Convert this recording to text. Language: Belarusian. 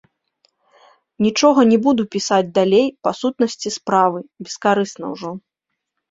Нічога не буду пісаць далей па сутнасці справы, бескарысна ўжо.